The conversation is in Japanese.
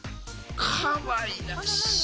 かわいらしい！